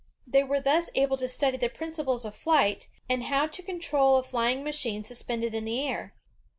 They were thus able to study the principles of flight, and how tol control a flying machine suspended in the air.